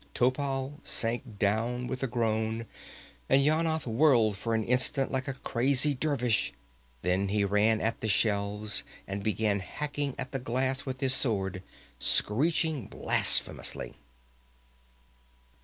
Topal sank down with a groan, and Yanath whirled for an instant like a crazy dervish; then he ran at the shelves and began hacking at the glass with his sword, screeching blasphemously.